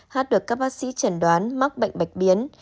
hát được các bác sĩ chẩn đoán mắc bệnh bạch biến